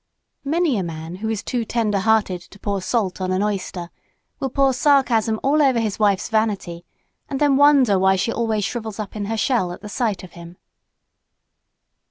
Many a man who is too tender hearted to pour salt on an oyster will pour sarcasm all over his wife's vanity and then wonder why she always shrivels up in her shell at the sight of him.